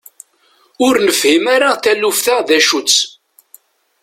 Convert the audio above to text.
Ur nefhim ara taluft-a d acu-tt.